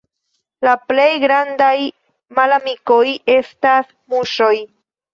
La plej grandaj malamikoj estas muŝoj.